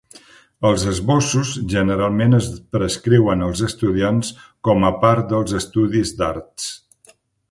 Els esbossos generalment es prescriuen als estudiants com a part dels estudis d'arts.